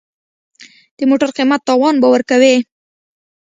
د موټر قیمت تاوان به ورکوې.